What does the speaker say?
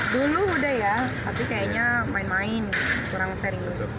dulu udah ya tapi kayaknya main main kurang serius